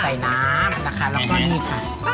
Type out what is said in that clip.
ใส่น้ำนะคะแล้วก็นี่ค่ะ